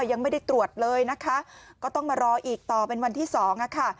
ยังไม่ได้ตรวจเลยนะคะก็ต้องมารออีกต่อเป็นวันที่สองอ่ะค่ะ